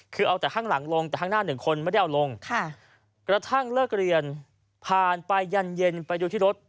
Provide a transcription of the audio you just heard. คือเอาแต่ข้างหลังลงแต่ข้างหน้าหนึ่งคนไม่ได้เอาลงกระทั่งเลิกเรียนผ่านไปยันเย็นไปดูที่รถ